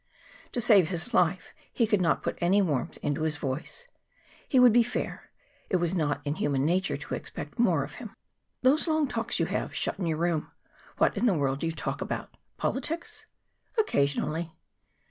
To save his life, he could not put any warmth into his voice. He would be fair. It was not in human nature to expect more of him. "Those long talks you have, shut in your room what in the world do you talk about? Politics?" "Occasionally."